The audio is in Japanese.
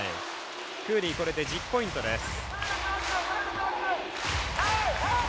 クーリーこれで１０ポイントです。